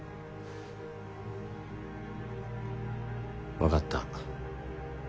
分かった。